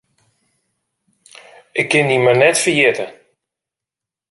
Ik kin dy mar net ferjitte.